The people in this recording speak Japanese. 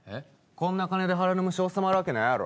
こんな金で腹の虫治まるわけないやろ。